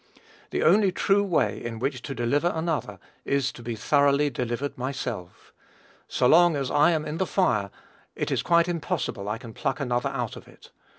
The only true way in which to deliver another is to be thoroughly delivered myself. So long as I am in the fire, it is quite impossible I can pluck another out of it.